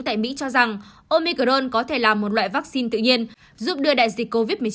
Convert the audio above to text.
tại mỹ cho rằng omicron có thể là một loại vaccine tự nhiên giúp đưa đại dịch covid một mươi chín